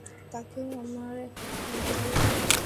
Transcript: তাকেও আমার একটা শার্ট দিও।